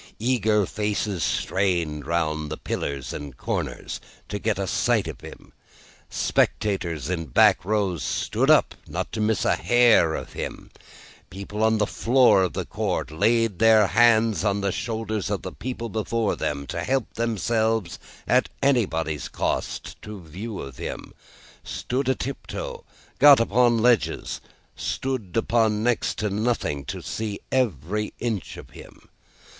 Eager faces strained round pillars and corners, to get a sight of him; spectators in back rows stood up, not to miss a hair of him; people on the floor of the court, laid their hands on the shoulders of the people before them, to help themselves, at anybody's cost, to a view of him stood a tiptoe, got upon ledges, stood upon next to nothing, to see every inch of him.